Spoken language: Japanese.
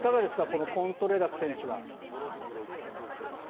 このコントレラス選手は。